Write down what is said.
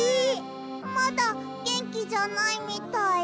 まだげんきじゃないみたい。